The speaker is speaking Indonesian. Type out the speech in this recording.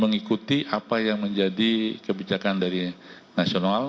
mengikuti apa yang menjadi kebijakan dari nasional